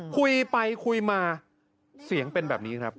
คุยไปคุยมาเสียงเป็นแบบนี้ครับ